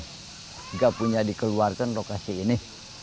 tidak punya dikeluarkan lokasi ini